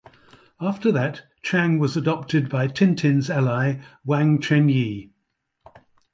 After that Chang was adopted by Tintin's ally Wang Chen-Yee.